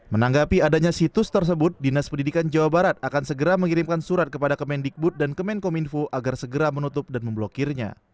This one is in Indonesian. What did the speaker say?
menanggapi adanya situs tersebut dinas pendidikan jawa barat akan segera mengirimkan surat kepada kemendikbud dan kemenkominfo agar segera menutup dan memblokirnya